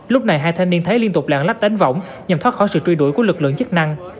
lúc này hai thanh niên thấy liên tục lạng lách đánh võng nhằm thoát khỏi sự truy đuổi của lực lượng chức năng